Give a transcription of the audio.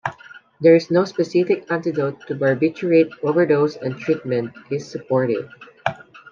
There is no specific antidote to barbiturate overdose and treatment is supportive.